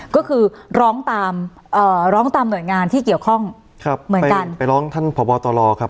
ก็คือร้องตามเอ่อร้องตามหน่วยงานที่เกี่ยวข้องครับเหมือนกันไปร้องท่านพบตรครับ